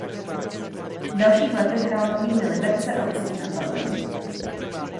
V dalších letech hrál za týmy Liberce a Ústí nad Labem.